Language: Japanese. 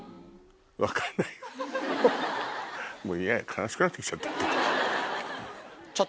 悲しくなってきちゃった。